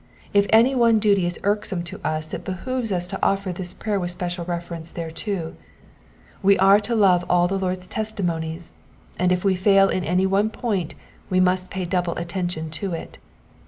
If any one duty is irksome to us it behoves us to offer this prayer with special reference thereto : we are to love all the Lord's testimonies, and if we fail in any one point we must pay double attention to it.